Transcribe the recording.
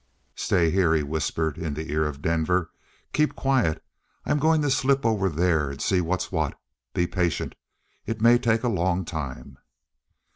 "Stay here," he whispered in the ear of Denver. "Keep quiet. I'm going to slip over there and see what's what. Be patient. It may take a long time."